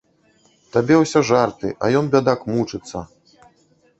Табе ўсё жарты, а ён, бядак, мучыцца.